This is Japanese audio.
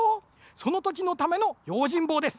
そのときのためのようじんぼうです。